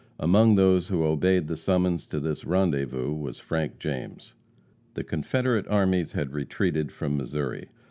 Among those who obeyed the summons to this rendezvous was Frank James. The Confederate armies had retreated from Missouri.